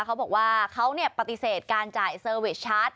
เขาบอกว่าเขาปฏิเสธการจ่ายเซอร์เวชชาร์จ